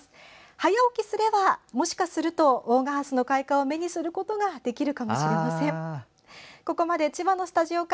早起きすれば、もしかすると大賀ハスの開花を目にすることができるかもしれません。